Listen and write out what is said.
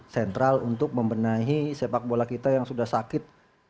sentral untuk membenahi sepak bola kita yang sudah sakit